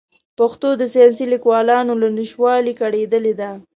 پښتو د ساینسي لیکوالانو له نشتوالي کړېدلې ده.